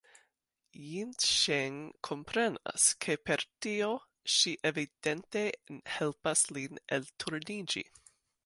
Jinŝeng komprenas, ke per tio ŝi evidente helpas lin elturniĝi.